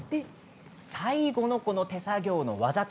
最後の手作業の技